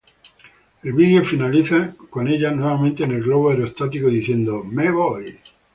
El vídeo finaliza con ella nuevamente en el globo aerostático diciendo "Me voy".